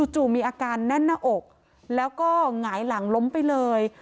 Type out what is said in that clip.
จู่มีอาการแน่นหน้าอกแล้วก็หงายหลังล้มไปเลย